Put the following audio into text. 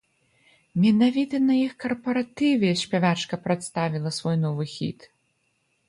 Менавіта на іх карпаратыве спявачка прадставіла свой новы хіт!